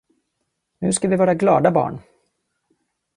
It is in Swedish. Nu ska vi vara glada barn!